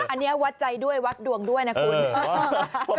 อันนี้วัดใจด้วยวัดดวงด้วยนะคุณ